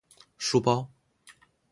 书包